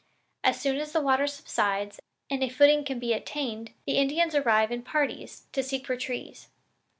As soon as the water subsides and a footing can be obtained the Indians arrive in parties, to seek for the trees.